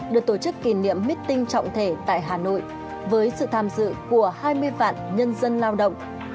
được tổ chức kỷ niệm meeting trọng thể tại hà nội với sự tham dự của hai mươi vạn nhân dân lao động